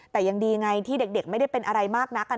แต่ยังดีไงที่เด็กไม่ได้เป็นอะไรมากนัก